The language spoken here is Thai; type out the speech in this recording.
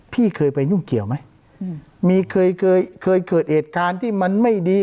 พี่เคยไปยุ่งเกี่ยวไหมมีเคยเคยเกิดเหตุการณ์ที่มันไม่ดี